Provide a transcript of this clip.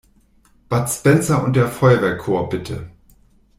Bud Spencer und der Feuerwehrchor, bitte!